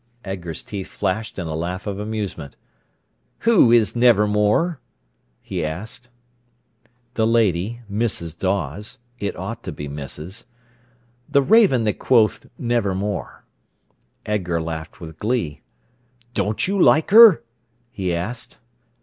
'" Edgar's teeth flashed in a laugh of amusement. "Who is 'Nevermore'?" he asked. "The lady—Mrs. Dawes—it ought to be Mrs. The Raven that quothed 'Nevermore.'" Edgar laughed with glee. "Don't you like her?" he asked.